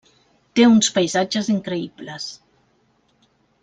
Té uns paisatges increïbles.